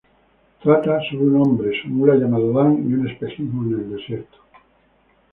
Trata sobre un hombre, su mula llamada Dan y un espejismo en el desierto.